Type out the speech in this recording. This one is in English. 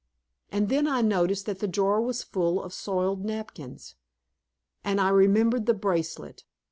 And then I noticed that the drawer was full of soiled napkins, and I remembered the bracelet.